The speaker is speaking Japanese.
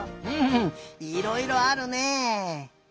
うんいろいろあるね。